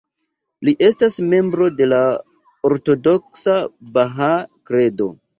Li estas membro de la ortodoksa Bahaa Kredo.